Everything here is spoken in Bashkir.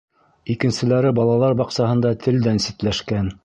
Икенселәре балалар баҡсаһында телдән ситләшкән.